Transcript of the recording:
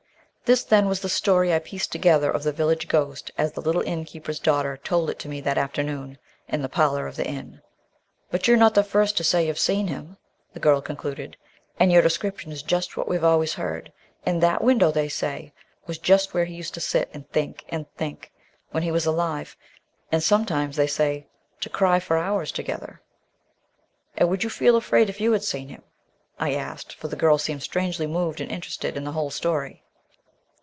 This, then, was the story I pieced together of the village ghost as the little inn keeper's daughter told it to me that afternoon in the parlour of the inn. "But you're not the first to say you've seen him," the girl concluded; "and your description is just what we've always heard, and that window, they say, was just where he used to sit and think, and think, when he was alive, and sometimes, they say, to cry for hours together." "And would you feel afraid if you had seen him?" I asked, for the girl seemed strangely moved and interested in the whole story.